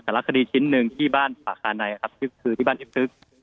แต่ละคดีชิ้นหนึ่งที่บ้านภาคาในครับคือที่บ้านที่ฟึก